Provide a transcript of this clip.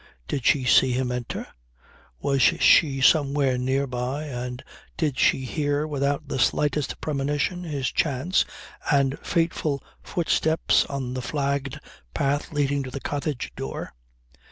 Did she see him enter? Was she somewhere near by and did she hear without the slightest premonition his chance and fateful footsteps on the flagged path leading to the cottage door?